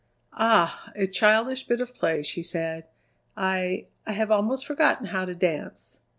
"Ah! a childish bit of play," she said. "I I have almost forgotten how to dance."